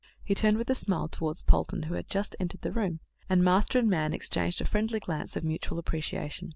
He turned with a smile towards Polton, who had just entered the room, and master and man exchanged a friendly glance of mutual appreciation.